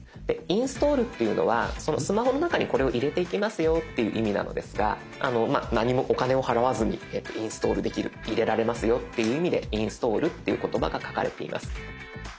インストールっていうのはそのスマホの中にこれを入れていきますよっていう意味なのですが何もお金を払わずにインストールできる入れられますよっていう意味でインストールっていう言葉が書かれています。